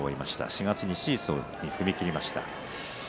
４月に手術に踏み切りました。